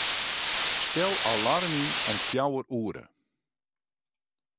Stel alarm yn om fjouwer oere.